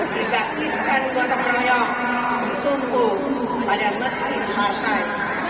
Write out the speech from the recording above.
kita kisahkan buatan penyanyi untuk bertumbuh pada mesin batai